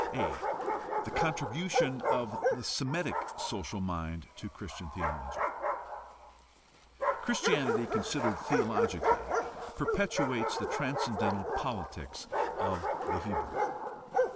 a) The contribution of the Semitic social mind to Christian theology. — Christianity considered theologically perpetuates the transcendental politics of the Hebrew.